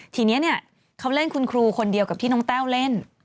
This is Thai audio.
ทีนี้เขาเล่นคุณครูคนเดียวกับที่น้องแต้วเล่น